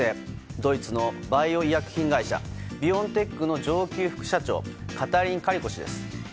ドイツのバイオ医薬品会社ビオンテックの上級副社長カタリン・カリコ氏です。